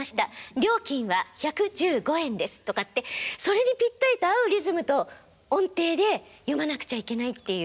料金は１１５円です」とかってそれにぴったりと合うリズムと音程で読まなくちゃいけないっていう。